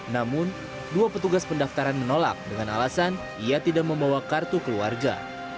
namun dua petugas pendaftaran menolak dengan alasan ia tidak membawa kartu keluarga